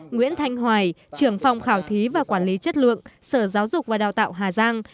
nguyễn thanh hoài trưởng phòng khảo thí và quản lý chất lượng sở giáo dục và đào tạo hà giang